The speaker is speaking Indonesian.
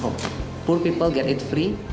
orang murah mendapatkannya gratis